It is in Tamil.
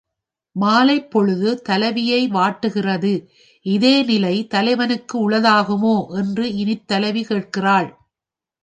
மாலைப் பொழுது தலைவியை வாட்டுகிறது இதே நிலை தலைவனுக்கு உளதாகுமோ என்று இனித் தலைவி கேட்கிறாள்.